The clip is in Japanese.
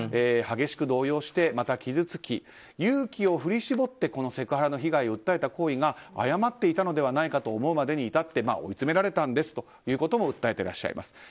激しく動揺して傷つき勇気を振り絞ってセクハラの被害を訴えた抗議が誤っていたのではないかと思うまでに至って追い詰められたんですとも訴えていらっしゃいます。